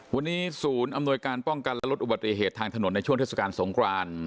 วันนี้ศูนย์อำนวยการป้องกันและลดอุบัติเหตุทางถนนในช่วงเทศกาลสงคราน